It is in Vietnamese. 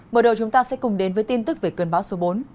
mở đầu chúng ta sẽ cùng đến với tin tức về cơn bão số bốn